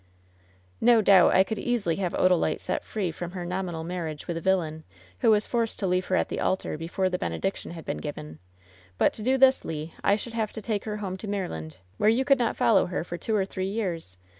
"Ifo doubt I could easily have Odalite set free from her nominal marriage with a villain, who was forced to leave her at the altar before the benediction had been given. But to do this, Le, I should have to take her home to Maryland, where you could not follow her for two or three years.